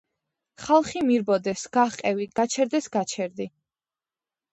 ხალხი მირბოდეს - გაჰყევი, გაჩერდეს - გაჩერდი